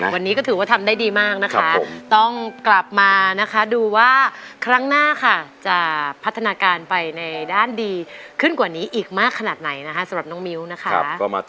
วันนี้ก็ถือว่าทำได้ดีมากนะคะ